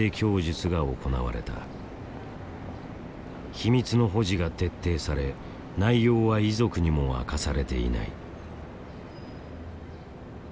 秘密の保持が徹底され内容は遺族にも明かされていない。